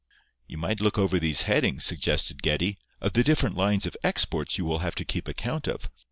"You might look over these headings," suggested Geddie, "of the different lines of exports you will have to keep account of.